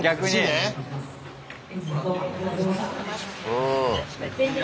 うん。